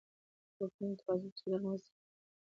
غوږونه د توازن په ساتلو کې مرسته کوي